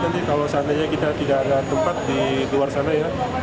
nanti kalau seandainya kita tidak ada tempat di luar sana ya